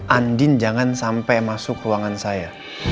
andin jangan sampai masuk ruangan saya